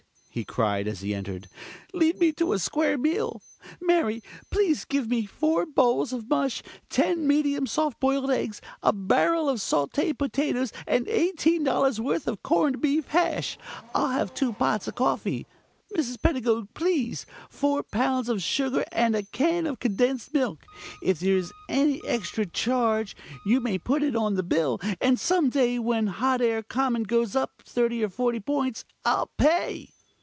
he cried, as he entered. "Lead me to a square meal. Mary, please give me four bowls of mush, ten medium soft boiled eggs, a barrel of sautée potatoes and eighteen dollars' worth of corned beef hash. I'll have two pots of coffee, Mrs. Pedagog, please, four pounds of sugar and a can of condensed milk. If there is any extra charge you may put it on the bill, and some day when Hot Air Common goes up thirty or forty points I'll pay."